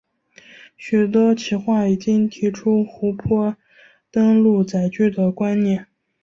许多企划已经提出湖泊登陆载具的观念。